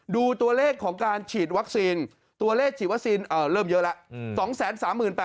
ดูตัวเลขของการฉีดวัคซีนตัวเลขฉีดวัคซีนเริ่มเยอะแล้ว